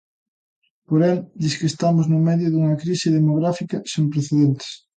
Porén, disque estamos no medio dunha crise demográfica sen precedentes.